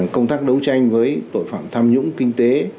công tác đấu tranh với tội phạm tham nhũng kinh tế